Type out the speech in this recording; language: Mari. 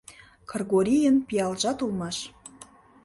Кыргорийын пиалжат улмаш...